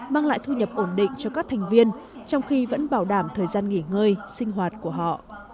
mang lại thu nhập ổn định cho các thành viên trong khi vẫn bảo đảm thời gian nghỉ ngơi sinh hoạt của họ